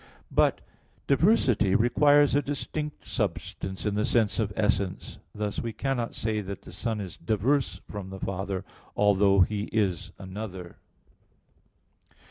But diversity requires a distinct substance in the sense of essence. Thus we cannot say that the Son is diverse from the Father, although He is another.